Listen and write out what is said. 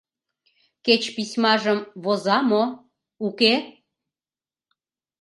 — Кеч письмажым воза мо, уке?